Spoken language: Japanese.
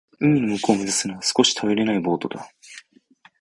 海の向こうを目指すには少し頼りないボートだ。